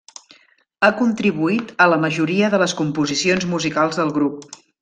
Ha contribuït a la majoria de les composicions musicals del grup.